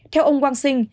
theo ông wang xing